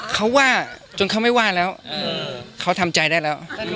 เขาว่าจนเขาไม่ว่าแล้วเขาทำใจได้แล้ว